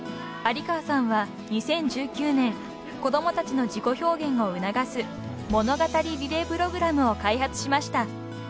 ［有川さんは２０１９年子供たちの自己表現を促す物語リレープログラムを開発しました］